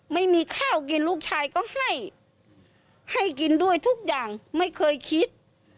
ไม่มีข้าวกินลูกชายก็ให้ให้กินด้วยทุกอย่างไม่เคยคิด